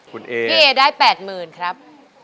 พี่เอได้๘๐๐๐๐ครับ